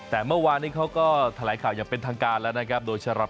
แต่เมื่อวานนี้เขาก็แถลงข่าวอย่างเป็นทางการแล้วนะครับโดยสำหรับ